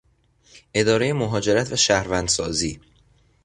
ادارهی مهاجرت و شهروندسازی